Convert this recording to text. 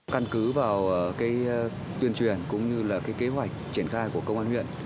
căn cứ vào cái tuyên truyền cũng như là cái kế hoạch triển khai của công an huyện